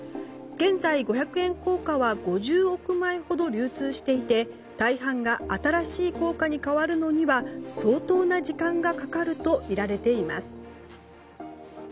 現在、五百円硬貨は５０億枚ほど流通していて大半が新しい硬貨に替わるのには相当な時間がかかるとみられています。